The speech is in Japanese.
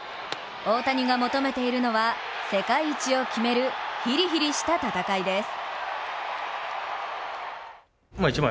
大谷が求めているのは、世界一を決めるヒリヒリした戦いです。